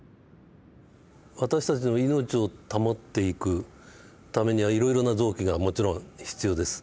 私たちの命を保っていくためにはいろいろな臓器がもちろん必要です。